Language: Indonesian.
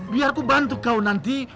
biar ku bantu kau nanti